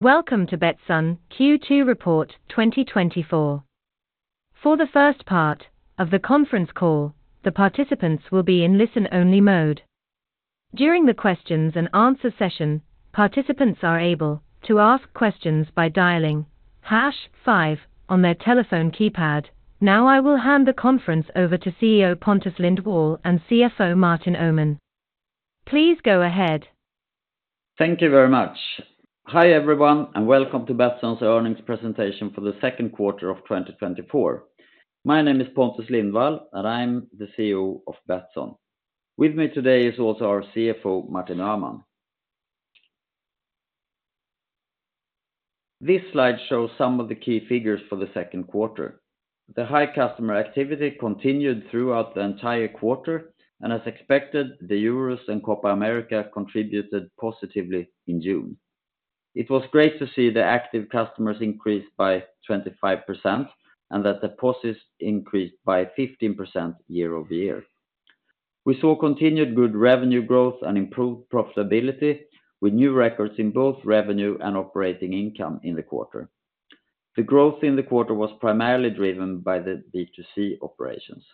Welcome to Betsson Q2 Report 2024. For the first part of the conference call, the participants will be in listen-only mode. During the questions and answer session, participants are able to ask questions by dialing hash five on their telephone keypad. Now, I will hand the conference over to CEO Pontus Lindwall and CFO Martin Öhman. Please go ahead. Thank you very much. Hi, everyone, and welcome to Betsson's earnings presentation for the second quarter of 2024. My name is Pontus Lindwall, and I'm the CEO of Betsson. With me today is also our CFO, Martin Öhman. This slide shows some of the key figures for the second quarter. The high customer activity continued throughout the entire quarter, and as expected, the Euros and Copa América contributed positively in June. It was great to see the active customers increased by 25%, and that deposits increased by 15% year-over-year. We saw continued good revenue growth and improved profitability, with new records in both revenue and operating income in the quarter. The growth in the quarter was primarily driven by the B2C operations.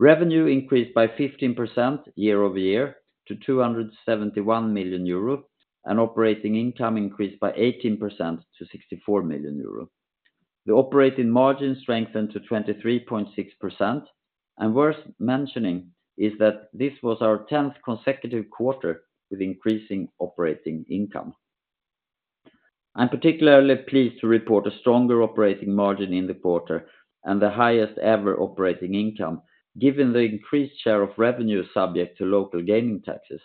Revenue increased by 15% year-over-year to 271 million euro, and operating income increased by 18% to 64 million euro. The operating margin strengthened to 23.6%, and worth mentioning is that this was our 10th consecutive quarter with increasing operating income. I'm particularly pleased to report a stronger operating margin in the quarter and the highest ever operating income, given the increased share of revenue subject to local gaming taxes.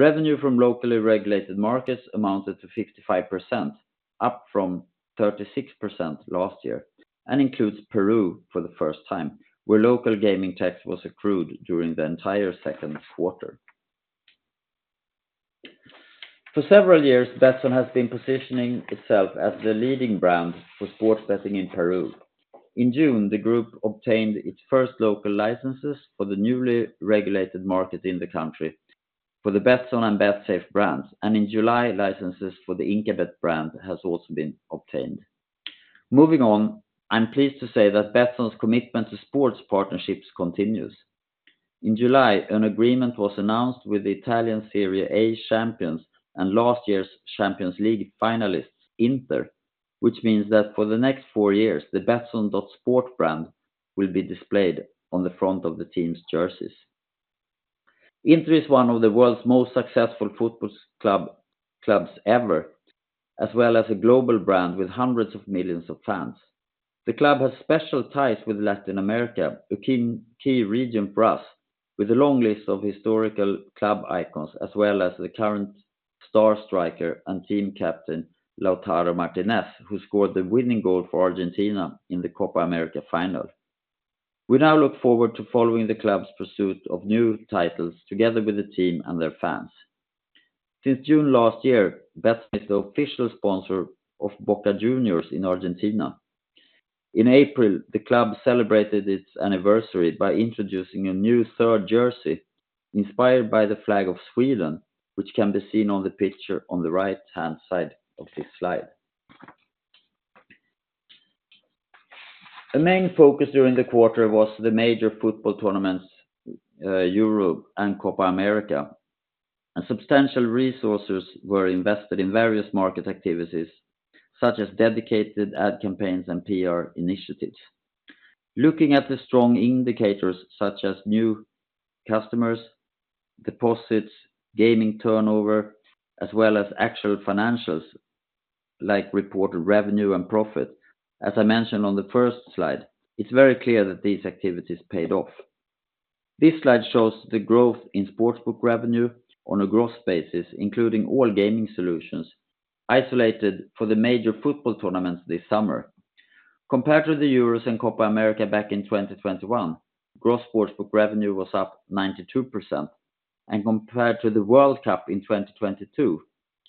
Revenue from locally regulated markets amounted to 55%, up from 36% last year, and includes Peru for the first time, where local gaming tax was accrued during the entire second quarter. For several years, Betsson has been positioning itself as the leading brand for sports betting in Peru. In June, the group obtained its first local licenses for the newly regulated market in the country for the Betsson and Betsafe brands, and in July, licenses for the Inkabet brand has also been obtained. Moving on, I'm pleased to say that Betsson's commitment to sports partnerships continues. In July, an agreement was announced with the Italian Serie A champions and last year's Champions League finalists, Inter, which means that for the next four years, the Betsson.sport brand will be displayed on the front of the team's jerseys. Inter is one of the world's most successful football club, clubs ever, as well as a global brand with hundreds of millions of fans. The club has special ties with Latin America, a key, key region for us, with a long list of historical club icons, as well as the current star striker and team captain, Lautaro Martínez, who scored the winning goal for Argentina in the Copa América final. We now look forward to following the club's pursuit of new titles together with the team and their fans. Since June last year, Betsson is the official sponsor of Boca Juniors in Argentina. In April, the club celebrated its anniversary by introducing a new third jersey, inspired by the flag of Sweden, which can be seen on the picture on the right-hand side of this slide. A main focus during the quarter was the major football tournaments, Euro and Copa América, and substantial resources were invested in various market activities, such as dedicated ad campaigns and PR initiatives. Looking at the strong indicators such as new customers, deposits, gaming turnover, as well as actual financials, like reported revenue and profit, as I mentioned on the first slide, it's very clear that these activities paid off. This slide shows the growth in sportsbook revenue on a gross basis, including all gaming solutions, isolated for the major football tournaments this summer. Compared to the Euros and Copa América back in 2021, gross sportsbook revenue was up 92%, and compared to the World Cup in 2022,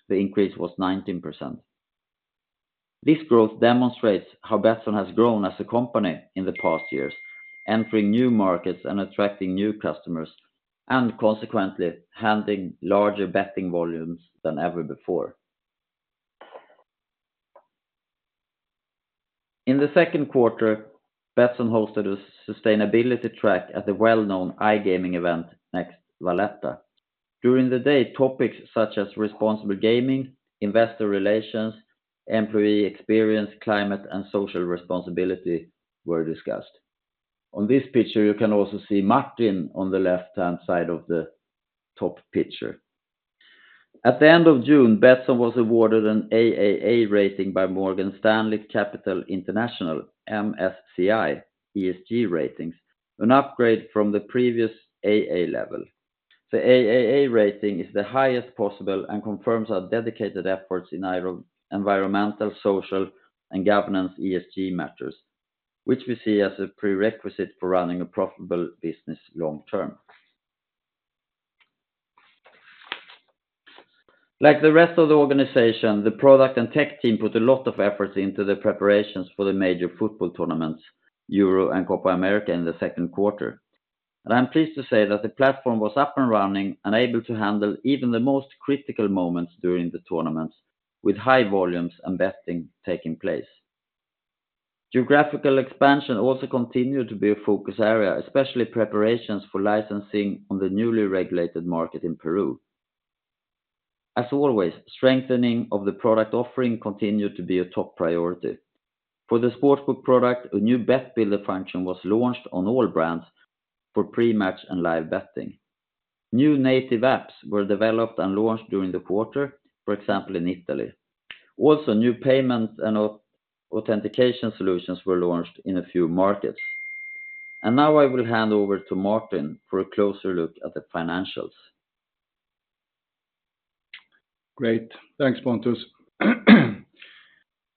the increase was 19%. This growth demonstrates how Betsson has grown as a company in the past years, entering new markets and attracting new customers, and consequently, handling larger betting volumes than ever before. In the second quarter, Betsson hosted a sustainability track at the well-known iGaming event, NEXT Valletta. During the day, topics such as responsible gaming, investor relations, employee experience, climate, and social responsibility were discussed. On this picture, you can also see Martin on the left-hand side of the top picture. At the end of June, Betsson was awarded an AAA rating by Morgan Stanley Capital International, MSCI ESG ratings, an upgrade from the previous AA level. The AAA rating is the highest possible and confirms our dedicated efforts in environmental, social, and governance ESG matters, which we see as a prerequisite for running a profitable business long term. Like the rest of the organization, the product and tech team put a lot of efforts into the preparations for the major football tournaments, Euro and Copa América, in the second quarter. I'm pleased to say that the platform was up and running and able to handle even the most critical moments during the tournament, with high volumes and betting taking place. Geographical expansion also continued to be a focus area, especially preparations for licensing on the newly regulated market in Peru. As always, strengthening of the product offering continued to be a top priority. For the Sportsbook product, a new Bet Builder function was launched on all brands for pre-match and live betting. New native apps were developed and launched during the quarter, for example, in Italy. Also, new payment and authentication solutions were launched in a few markets. Now I will hand over to Martin for a closer look at the financials. Great. Thanks, Pontus.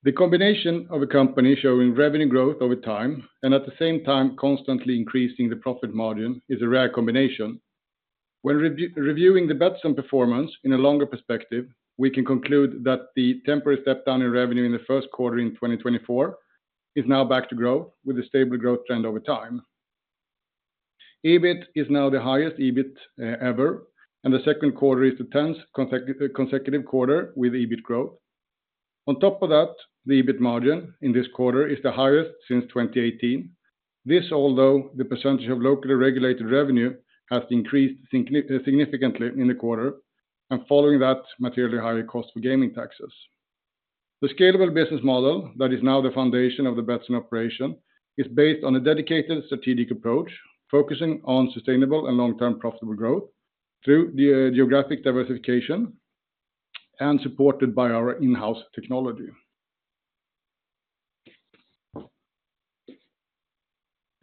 The combination of a company showing revenue growth over time, and at the same time constantly increasing the profit margin, is a rare combination. When reviewing the Betsson performance in a longer perspective, we can conclude that the temporary step down in revenue in the first quarter in 2024, is now back to growth with a stable growth trend over time. EBIT is now the highest EBIT ever, and the second quarter is the 10th consecutive quarter with EBIT growth. On top of that, the EBIT margin in this quarter is the highest since 2018. This, although, the percentage of locally regulated revenue has increased significantly in the quarter, and following that, materially higher cost for gaming taxes. The scalable business model, that is now the foundation of the Betsson operation, is based on a dedicated strategic approach, focusing on sustainable and long-term profitable growth through the geographic diversification and supported by our in-house technology.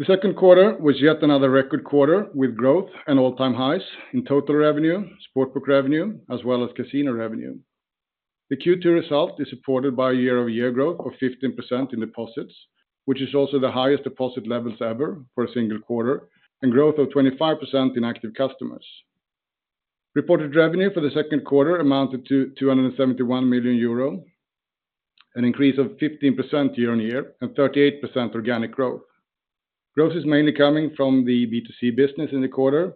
The second quarter was yet another record quarter, with growth and all-time highs in total revenue, Sportsbook revenue, as well as Casino revenue. The Q2 result is supported by a year-over-year growth of 15% in deposits, which is also the highest deposit levels ever for a single quarter, and growth of 25% in active customers. Reported revenue for the second quarter amounted to 271 million euro, an increase of 15% year-on-year, and 38% organic growth. Growth is mainly coming from the B2C business in the quarter,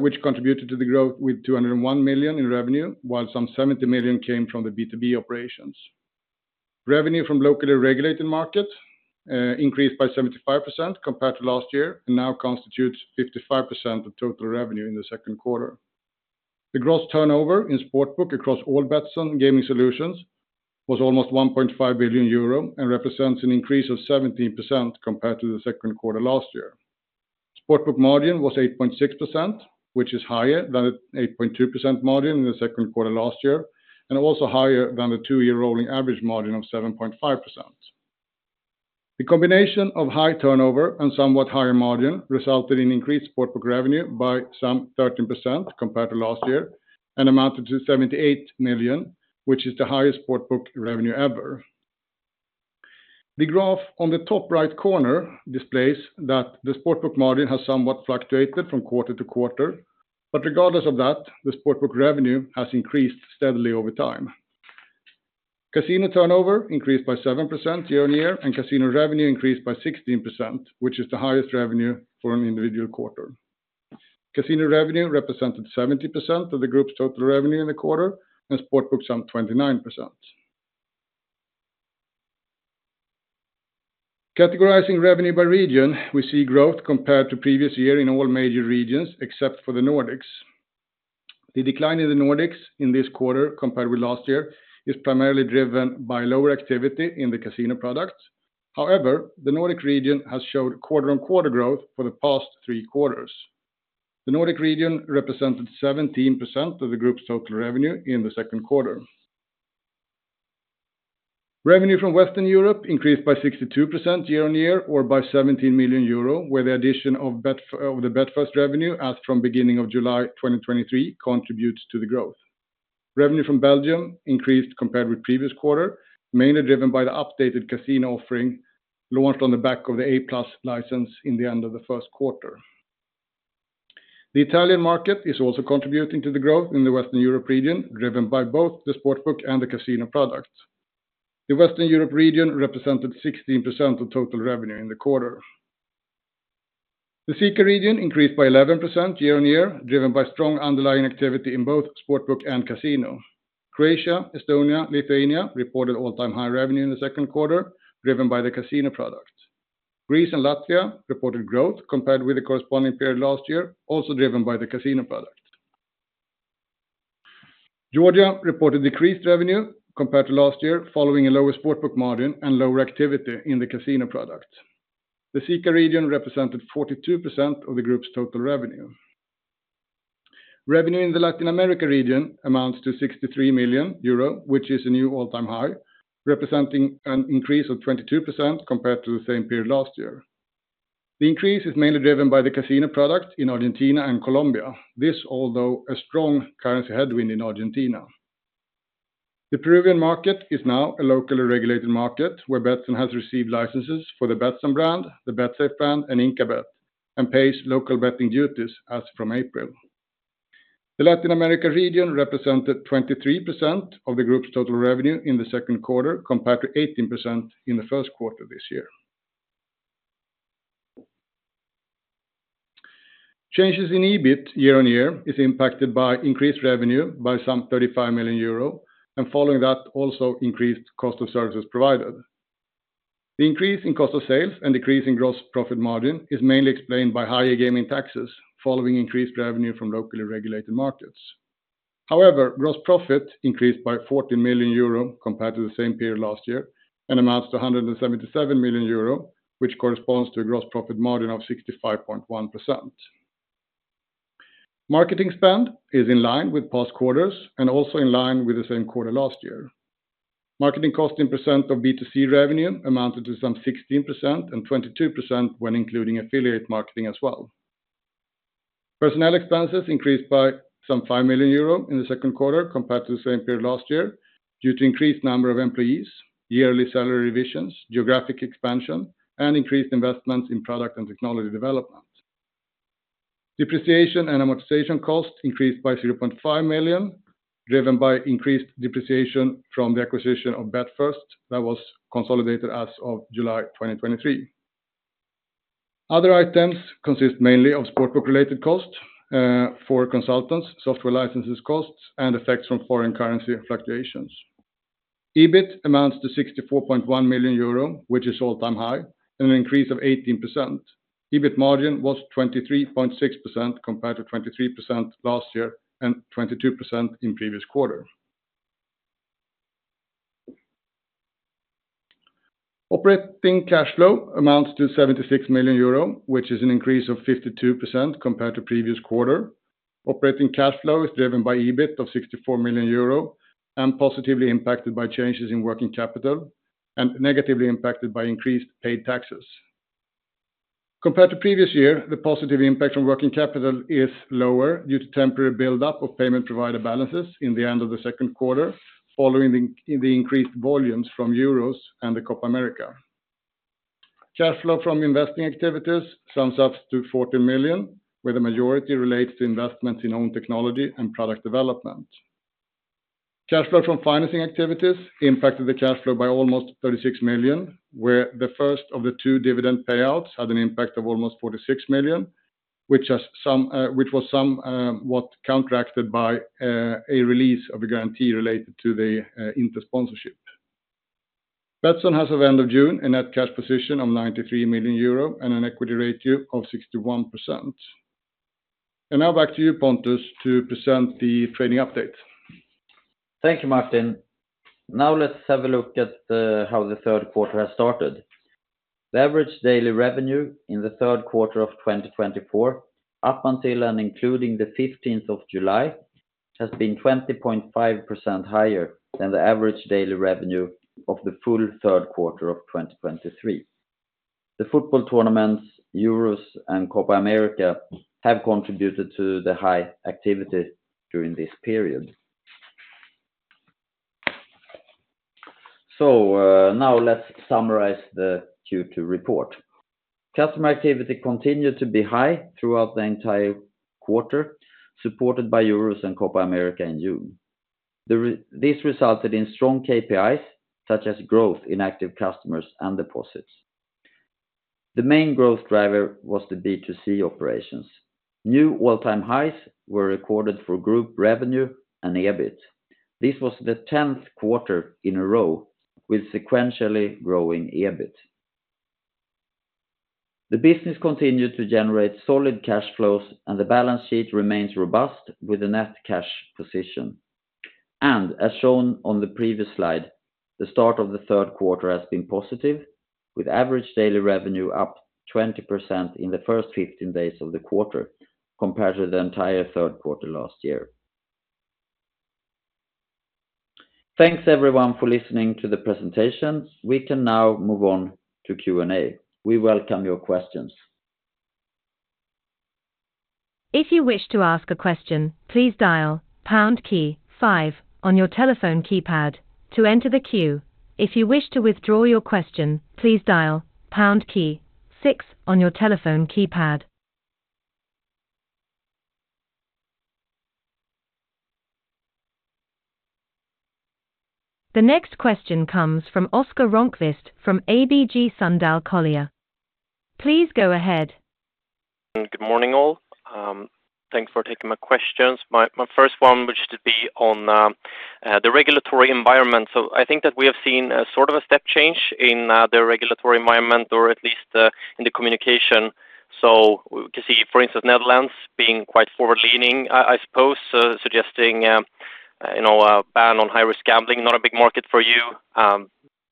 which contributed to the growth with 201 million in revenue, while some 70 million came from the B2B operations. Revenue from locally regulated markets increased by 75% compared to last year, and now constitutes 55% of total revenue in the second quarter. The gross turnover in sportsbook across all Betsson gaming solutions was almost 1.5 billion euro, and represents an increase of 17% compared to the second quarter last year. Sportsbook margin was 8.6%, which is higher than the 8.2% margin in the second quarter last year, and also higher than the two-year rolling average margin of 7.5%. The combination of high turnover and somewhat higher margin resulted in increased sportsbook revenue by some 13% compared to last year, and amounted to 78 million, which is the highest sportsbook revenue ever. The graph on the top right corner displays that the sportsbook margin has somewhat fluctuated from quarter to quarter, but regardless of that, the sportsbook revenue has increased steadily over time. Casino turnover increased by 7% year-on-year, and casino revenue increased by 16%, which is the highest revenue for an individual quarter. Casino revenue represented 70% of the group's total revenue in the quarter, and sportsbook, some 29%. Categorizing revenue by region, we see growth compared to previous year in all major regions, except for the Nordics. The decline in the Nordics in this quarter, compared with last year, is primarily driven by lower activity in the casino products. However, the Nordic region has showed quarter-on-quarter growth for the past 3 quarters. The Nordic region represented 17% of the group's total revenue in the second quarter. Revenue from Western Europe increased by 62% year-on-year, or by 17 million euro, where the addition of the betFIRST revenue, as from beginning of July 2023, contributes to the growth. Revenue from Belgium increased compared with previous quarter, mainly driven by the updated casino offering, launched on the back of the A+ license in the end of the first quarter. The Italian market is also contributing to the growth in the Western Europe region, driven by both the sportsbook and the casino products. The Western Europe region represented 16% of total revenue in the quarter. The CEECA region increased by 11% year-on-year, driven by strong underlying activity in both sportsbook and casino. Croatia, Estonia, Lithuania, reported all-time high revenue in the second quarter, driven by the casino products. Greece and Latvia reported growth compared with the corresponding period last year, also driven by the casino product. Georgia reported decreased revenue compared to last year, following a lower sportsbook margin and lower activity in the casino product. The CEECA region represented 42% of the group's total revenue. Revenue in the Latin America region amounts to 63 million euro, which is a new all-time high, representing an increase of 22% compared to the same period last year. The increase is mainly driven by the casino product in Argentina and Colombia. This, although a strong currency headwind in Argentina. The Peruvian market is now a locally regulated market, where Betsson has received licenses for the Betsson brand, the Betsafe brand, and Inkabet, and pays local betting duties as from April. The Latin America region represented 23% of the group's total revenue in the second quarter, compared to 18% in the first quarter this year. Changes in EBIT year-on-year is impacted by increased revenue by some 35 million euro, and following that, also increased cost of services provided. The increase in cost of sales and decrease in gross profit margin is mainly explained by higher gaming taxes, following increased revenue from locally regulated markets. However, gross profit increased by 14 million euro compared to the same period last year, and amounts to 177 million euro, which corresponds to a gross profit margin of 65.1%. Marketing spend is in line with past quarters and also in line with the same quarter last year. Marketing cost in percent of B2C revenue amounted to some 16%-22% when including affiliate marketing as well. Personnel expenses increased by some 5 million euro in the second quarter compared to the same period last year, due to increased number of employees, yearly salary revisions, geographic expansion, and increased investments in product and technology development. Depreciation and amortization costs increased by 0.5 million, driven by increased depreciation from the acquisition of betFIRST, that was consolidated as of July 2023. Other items consist mainly of sportsbook-related costs for consultants, software licenses costs, and effects from foreign currency fluctuations. EBIT amounts to 64.1 million euro, which is all-time high and an increase of 18%. EBIT margin was 23.6%, compared to 23% last year and 22% in previous quarter. Operating cash flow amounts to 76 million euro, which is an increase of 52% compared to previous quarter. Operating cash flow is driven by EBIT of 64 million euro and positively impacted by changes in working capital, and negatively impacted by increased paid taxes. Compared to previous year, the positive impact on working capital is lower due to temporary buildup of payment provider balances in the end of the second quarter, following the increased volumes from Euros and the Copa América. Cash flow from investing activities sums up to 40 million, where the majority relates to investment in own technology and product development. Cash flow from financing activities impacted the cash flow by almost 36 million, where the first of the two dividend payouts had an impact of almost 46 million, which was somewhat counteracted by a release of a guarantee related to the Inter sponsorship. Betsson has, as of end of June, a net cash position of 93 million euro and an equity ratio of 61%. Now back to you, Pontus, to present the trading update. Thank you, Martin. Now let's have a look at how the third quarter has started. The average daily revenue in the third quarter of 2024, up until and including the July 15th, has been 20.5% higher than the average daily revenue of the full third quarter of 2023. The football tournaments, Euros and Copa América, have contributed to the high activity during this period. So, now let's summarize the Q2 report. Customer activity continued to be high throughout the entire quarter, supported by Euros and Copa América in June. This resulted in strong KPIs, such as growth in active customers and deposits. The main growth driver was the B2C operations. New all-time highs were recorded for group revenue and EBIT. This was the 10th quarter in a row with sequentially growing EBIT. The business continued to generate solid cash flows, and the balance sheet remains robust with a net cash position. As shown on the previous slide, the start of the third quarter has been positive, with average daily revenue up 20% in the first 15 days of the quarter compared to the entire third quarter last year. Thanks, everyone, for listening to the presentations. We can now move on to Q&A. We welcome your questions. If you wish to ask a question, please dial pound key five on your telephone keypad to enter the queue. If you wish to withdraw your question, please dial pound key six on your telephone keypad. The next question comes from Oscar Rönnkvist from ABG Sundal Collier. Please go ahead. Good morning, all. Thanks for taking my questions. My first one, which is on the regulatory environment. So I think that we have seen a sort of a step change in the regulatory environment, or at least in the communication. So we can see, for instance, the Netherlands being quite forward-leaning, I suppose, so suggesting, you know, a ban on high-risk gambling, not a big market for you.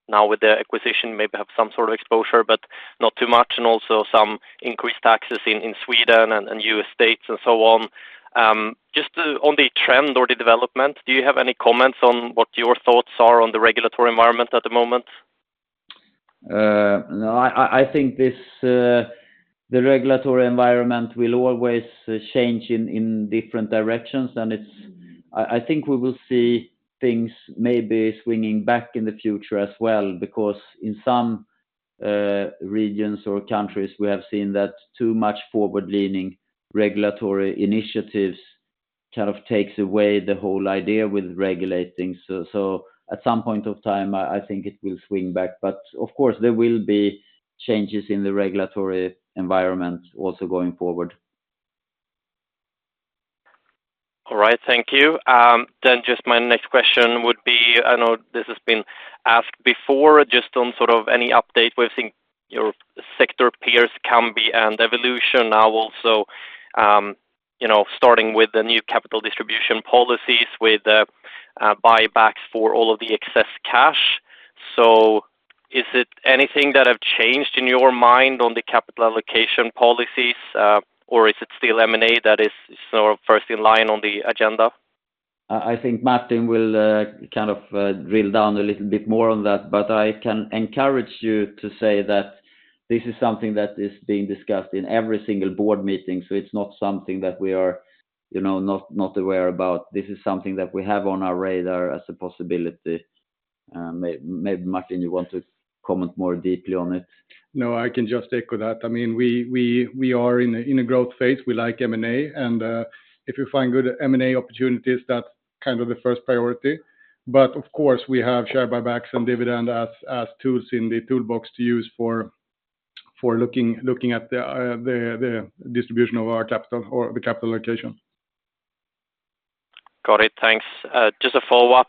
Now, with the acquisition, maybe have some sort of exposure, but not too much, and also some increased taxes in Sweden and U.S. states and so on. Just on the trend or the development, do you have any comments on what your thoughts are on the regulatory environment at the moment? No, I think this, the regulatory environment will always change in different directions, and it's... I think we will see things maybe swinging back in the future as well, because in some regions or countries, we have seen that too much forward-leaning regulatory initiatives kind of takes away the whole idea with regulating. So at some point of time, I think it will swing back. But of course, there will be changes in the regulatory environment also going forward. All right. Thank you. Then just my next question would be, I know this has been asked before, just on sort of any update we've seen your sector peers, Kambi and Evolution now also, you know, starting with the new capital distribution policies with buybacks for all of the excess cash. So is it anything that have changed in your mind on the capital allocation policies, or is it still M&A that is sort of first in line on the agenda? I think Martin will kind of drill down a little bit more on that, but I can encourage you to say that this is something that is being discussed in every single board meeting, so it's not something that we are, you know, not aware about. This is something that we have on our radar as a possibility. Maybe Martin, you want to comment more deeply on it? No, I can just echo that. I mean, we are in a growth phase. We like M&A, and if you find good M&A opportunities, that's kind of the first priority. But of course, we have share buybacks and dividend as tools in the toolbox to use for looking at the distribution of our capital or the capital allocation. Got it, thanks. Just a follow-up.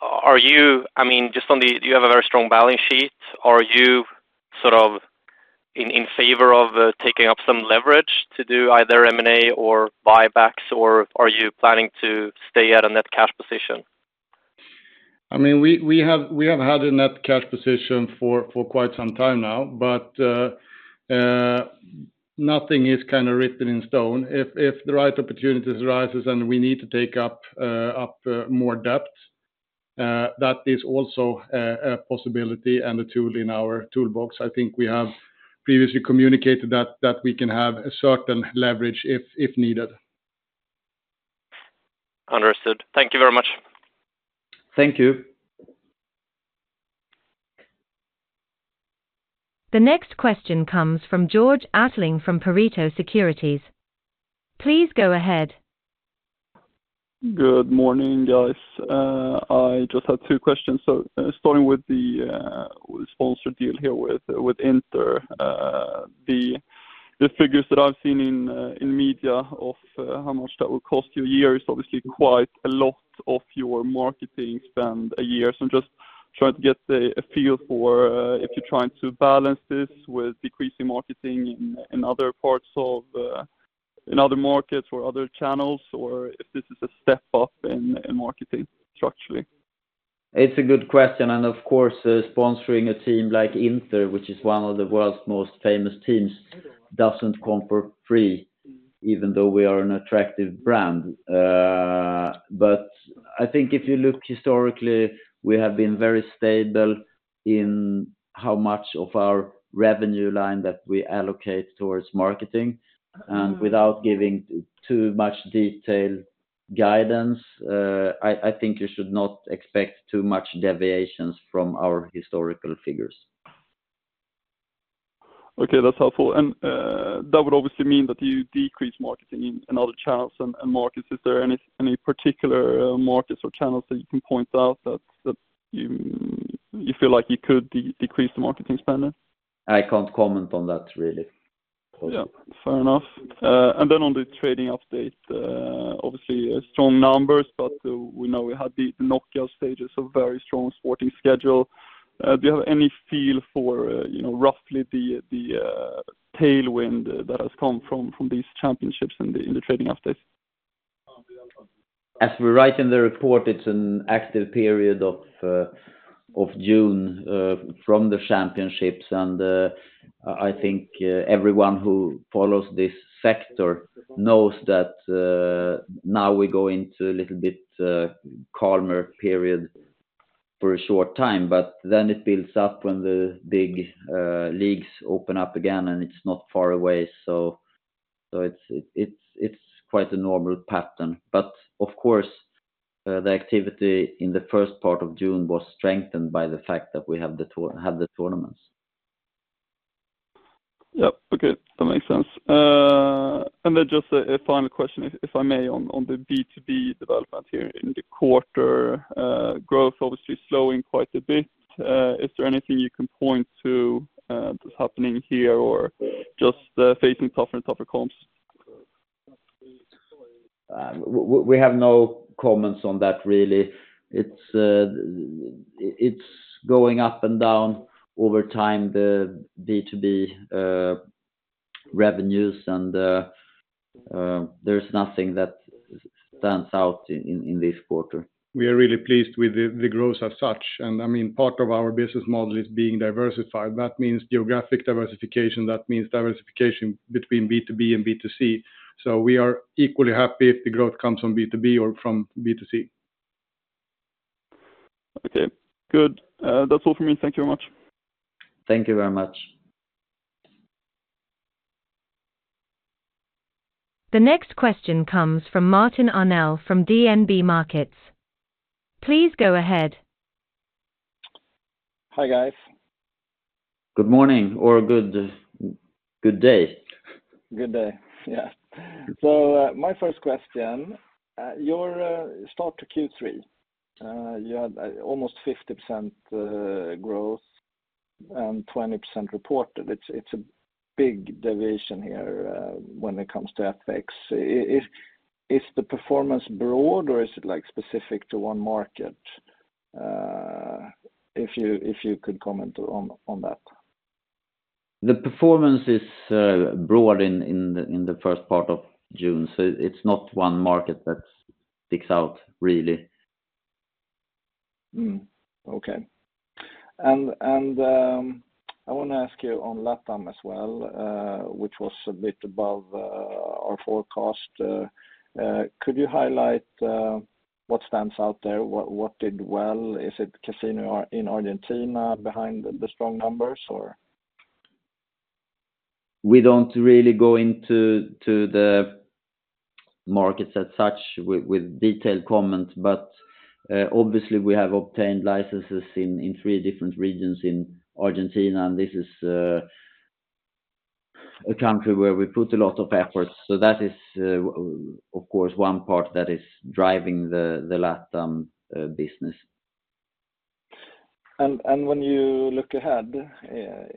Are you—I mean, just on the... You have a very strong balance sheet. Are you sort of in favor of taking up some leverage to do either M&A or buybacks, or are you planning to stay at a net cash position? I mean, we have had a net cash position for quite some time now, but nothing is kind of written in stone. If the right opportunities arises and we need to take up more debt, that is also a possibility and a tool in our toolbox. I think we have previously communicated that we can have a certain leverage if needed. Understood. Thank you very much. Thank you. The next question comes from Georg Attling from Pareto Securities. Please go ahead. Good morning, guys. I just had two questions. So, starting with the sponsor deal here with Inter. The figures that I've seen in media of how much that will cost you a year is obviously quite a lot of your marketing spend a year. So I'm just trying to get a feel for if you're trying to balance this with decreasing marketing in other parts of in other markets or other channels, or if this is a step up in marketing structurally. It's a good question, and of course, sponsoring a team like Inter, which is one of the world's most famous teams, doesn't come for free, even though we are an attractive brand. But I think if you look historically, we have been very stable in how much of our revenue line that we allocate towards marketing. And without giving too much detail guidance, I think you should not expect too much deviations from our historical figures. Okay, that's helpful. That would obviously mean that you decrease marketing in other channels and markets. Is there any particular markets or channels that you can point out that you feel like you could decrease the marketing spend in? I can't comment on that, really. Yeah, fair enough. And then on the trading update, obviously, strong numbers, but we know we had the knockout stages of very strong sporting schedule. Do you have any feel for, you know, roughly the tailwind that has come from these championships in the trading updates? As we write in the report, it's an active period of June from the championships, and I think everyone who follows this sector knows that now we go into a little bit calmer period for a short time, but then it builds up when the big leagues open up again, and it's not far away. So it's quite a normal pattern, but of course, the activity in the first part of June was strengthened by the fact that we had the tournaments. Yep. Okay, that makes sense. And then just a final question, if I may, on the B2B development here in the quarter. Growth obviously slowing quite a bit. Is there anything you can point to that's happening here or just facing tougher and tougher comps? We have no comments on that, really. It's going up and down over time, the B2B revenues and there's nothing that stands out in this quarter. We are really pleased with the growth as such, and I mean, part of our business model is being diversified. That means geographic diversification, that means diversification between B2B and B2C. So we are equally happy if the growth comes from B2B or from B2C. Okay, good. That's all for me. Thank you very much. Thank you very much. The next question comes from Martin Arnell from DNB Markets. Please go ahead. Hi, guys. Good morning, or good, good day. Good day. Yeah. So, my first question, your start to Q3, you had almost 50% growth and 20% reported. It's a big division here, when it comes to FX. Is the performance broad, or is it, like, specific to one market? If you could comment on that. The performance is broad in the first part of June, so it's not one market that sticks out, really. Mm. Okay. And I want to ask you on LatAm as well, which was a bit above our forecast. Could you highlight what stands out there? What did well? Is it casino or in Argentina behind the strong numbers, or? We don't really go into the markets as such with detailed comments, but obviously we have obtained licenses in three different regions in Argentina, and this is a country where we put a lot of efforts. So that is, of course, one part that is driving the LatAm business. When you look ahead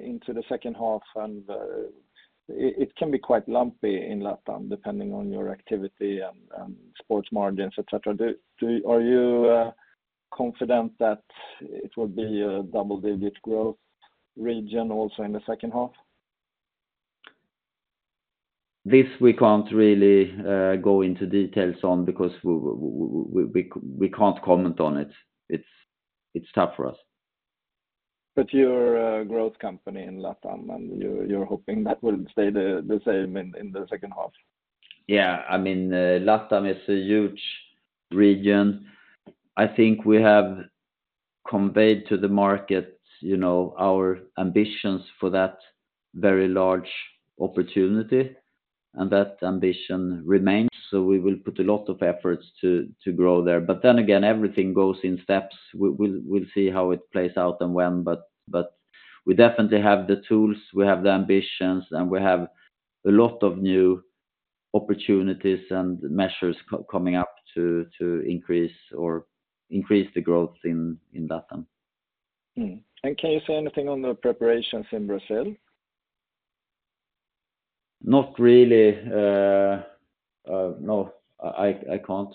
into the second half, it can be quite lumpy in LatAm, depending on your activity and sports margins, et cetera. Are you confident that it will be a double-digit growth region also in the second half? This, we can't really go into details on because we can't comment on it. It's tough for us. But you're a growth company in LatAm, and you're hoping that will stay the same in the second half? Yeah. I mean, LatAm is a huge region. I think we have conveyed to the market, you know, our ambitions for that very large opportunity, and that ambition remains, so we will put a lot of efforts to grow there. But then again, everything goes in steps. We'll see how it plays out and when, but we definitely have the tools, we have the ambitions, and we have a lot of new opportunities and measures coming up to increase the growth in LatAm. Can you say anything on the preparations in Brazil? Not really. No, I can't.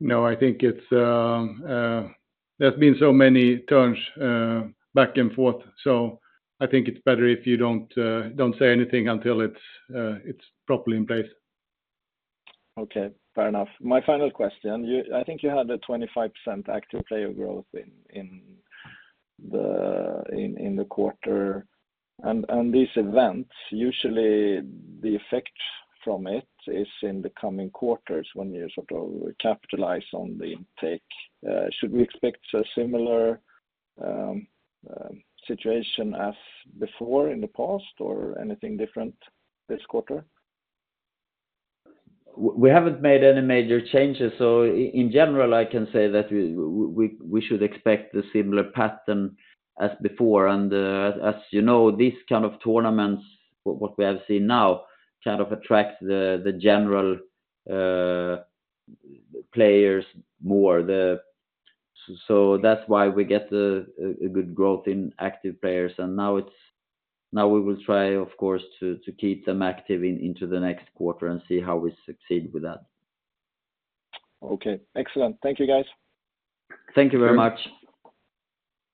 No, I think it's, there's been so many turns back and forth, so I think it's better if you don't say anything until it's properly in place. Okay, fair enough. My final question: I think you had a 25% active player growth in the quarter. And these events, usually the effect from it is in the coming quarters when you sort of capitalize on the intake. Should we expect a similar situation as before in the past or anything different this quarter? We haven't made any major changes, so in general, I can say that we should expect the similar pattern as before. As you know, these kind of tournaments, what we have seen now, kind of attract the general players more. So that's why we get a good growth in active players, and now it's. Now we will try, of course, to keep them active into the next quarter and see how we succeed with that. Okay, excellent. Thank you, guys. Thank you very much.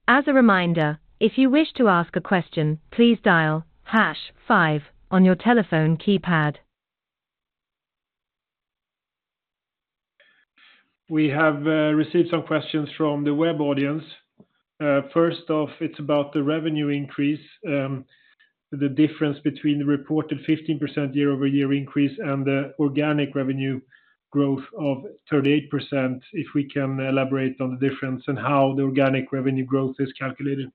As a reminder, if you wish to ask a question, please dial hash five on your telephone keypad. We have received some questions from the web audience. First off, it's about the revenue increase, the difference between the reported 15% year-over-year increase and the organic revenue growth of 38%, if we can elaborate on the difference and how the organic revenue growth is calculated.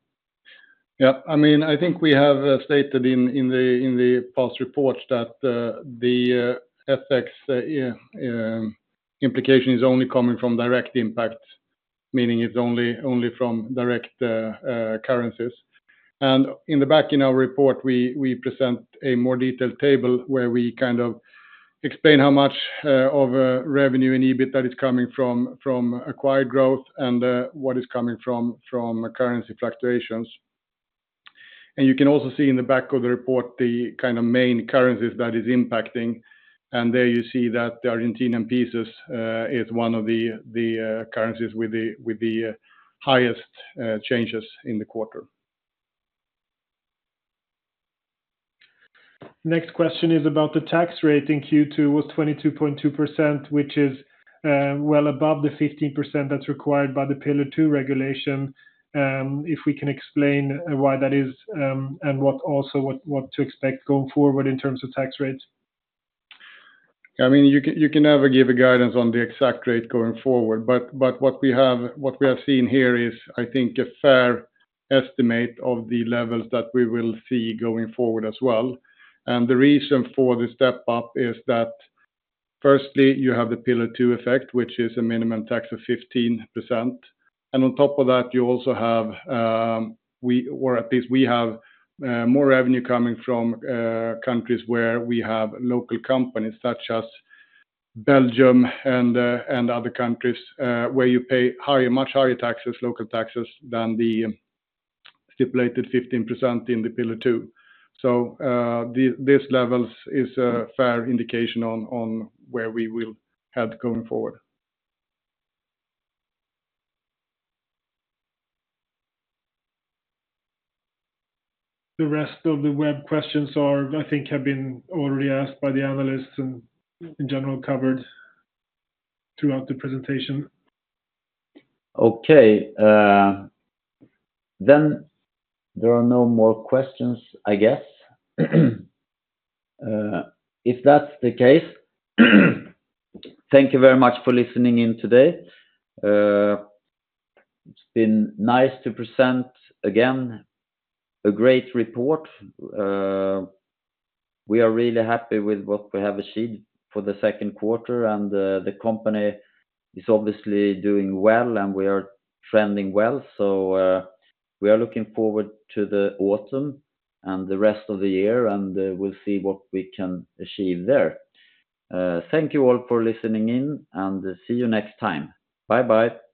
Yeah, I mean, I think we have stated in the past reports that the FX implication is only coming from direct impact, meaning it's only from direct currencies. And in the back of our report, we present a more detailed table, where we kind of explain how much of revenue and EBIT that is coming from acquired growth and what is coming from currency fluctuations. You can also see in the back of the report the kind of main currencies that is impacting, and there you see that the Argentine pesos is one of the currencies with the highest changes in the quarter. Next question is about the tax rate in Q2, which was 22.2%, well above the 15% that's required by the Pillar Two regulation. If we can explain why that is, and what to expect going forward in terms of tax rates. I mean, you can, you can never give a guidance on the exact rate going forward, but what we have seen here is, I think, a fair estimate of the levels that we will see going forward as well. The reason for the step up is that, firstly, you have the Pillar Two effect, which is a minimum tax of 15%. On top of that, you also have, we, or at least we have, more revenue coming from, countries where we have local companies, such as Belgium and other countries, where you pay higher, much higher taxes, local taxes, than the stipulated 15% in the Pillar Two. So, these levels is a fair indication on, where we will head going forward. The rest of the web questions are, I think, have been already asked by the analysts, and in general, covered throughout the presentation. Okay, then there are no more questions, I guess. If that's the case, thank you very much for listening in today. It's been nice to present again, a great report. We are really happy with what we have achieved for the second quarter, and the company is obviously doing well, and we are trending well. So, we are looking forward to the autumn and the rest of the year, and we'll see what we can achieve there. Thank you all for listening in, and see you next time. Bye-bye.